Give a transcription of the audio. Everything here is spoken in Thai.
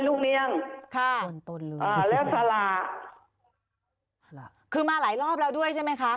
ลูกเนี้ยงค่ะโค่นต้นเลยอ่าแล้วสละคือมาหลายรอบแล้วด้วยใช่ไหมคะ